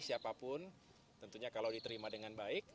siapapun tentunya kalau diterima dengan baik